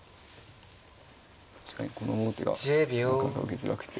確かにこの王手がなかなか受けづらくて。